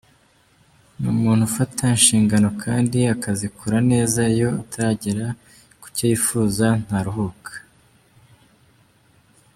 Ni umuntu ufata inshingano kandi akazikora neza, iyo ataragera ku cyo yifuza ntaruhuka.